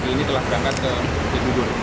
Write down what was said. ini telah berangkat ke cibubur